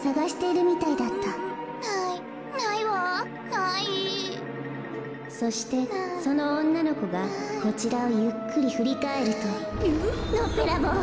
かいそうそしてそのおんなのこがこちらをゆっくりふりかえるとのっぺらぼう。